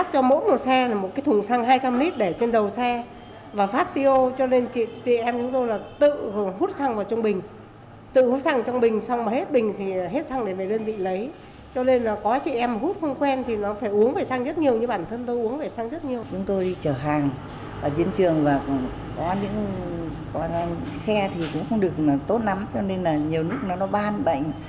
có những xe thì cũng không được tốt lắm cho nên là nhiều lúc nó ban bệnh